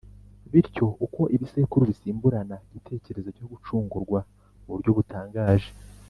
’’ Bityo uko ibisekuru bisimburana, igitekerezo cyo gucungurwa mu buryo butangaje,